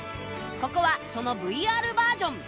ここはその ＶＲ バージョン